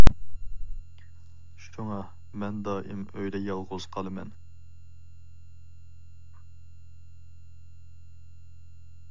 شۇڭا مەن دائىم ئۆيدە يالغۇز قالىمەن.